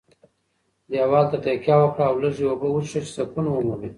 دېوال ته تکیه وکړه او لږې اوبه وڅښه چې سکون ومومې.